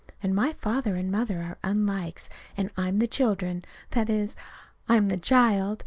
And my father and mother are unlikes, and I'm the children. That is, I'm the child.